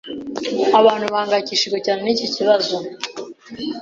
Abantu bahangayikishijwe cyane niki kibazo.